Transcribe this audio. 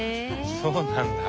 そうなんだ。